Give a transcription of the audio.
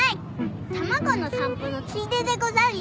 玉子の散歩のついででござるよ。